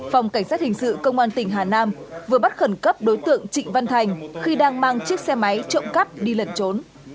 phòng cảnh sát hình sự công an tỉnh hà nam vừa bắt khẩn cấp đối tượng trịnh văn thành khi đang mang chiếc xe máy trộm cắp đi lẩn trốn